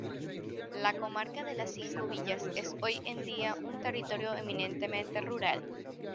La comarca de las Cinco Villas es hoy en día un territorio eminentemente rural.